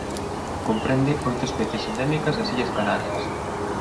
Comprende oito especies endémicas das illas Canarias.